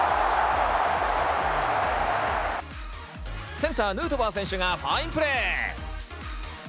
センター、ヌートバー選手がファインプレー。